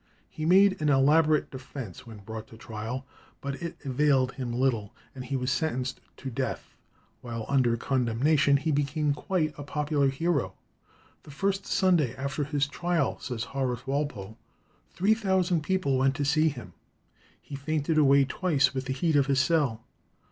He made an elaborate defence when brought to trial, but it availed him little, and he was sentenced to death. While under condemnation he became quite a popular hero. "The first Sunday after his trial," says Horace Walpole, "three thousand people went to see him. He fainted away twice with the heat of his cell.